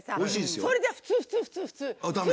それじゃ普通、普通、普通。